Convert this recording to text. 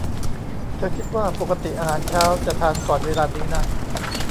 เธอคิดว่า ปกติอาหารเช้าจะทานก่อนเวลานี้นะ